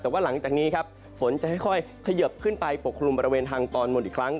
แต่ว่าหลังจากนี้ครับฝนจะค่อยเขยิบขึ้นไปปกคลุมบริเวณทางตอนบนอีกครั้ง